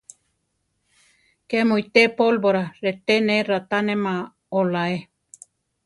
¿Ké mu ité pólvora? reté ne raʼtánema oláe.